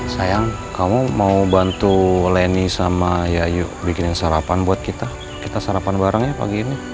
sayang kamu mau bantu leni sama yayu bikin sarapan buat kita kita sarapan barang ya pagi ini